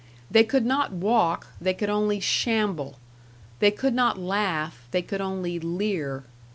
They could not walk, they could only shamble; they could not laugh, they could only leer.